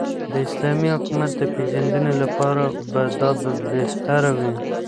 داسلامې حكومت دپيژندني لپاره به دابهتره وي